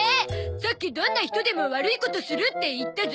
さっき「どんな人でも悪いことする」って言ったゾ！